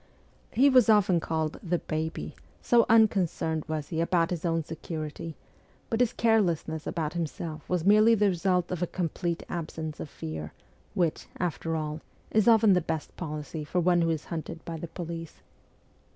He was often called 'the Baby,' so unconcerned was he about his own security : but his carelessness about himself was merely the result of a complete absence of fear, which, after all, is often the best policy for one who is hunted by the police.